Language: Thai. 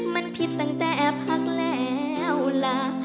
มันผิดตั้งแต่พักแล้วล่ะ